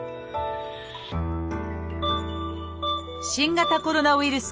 新型コロナウイルス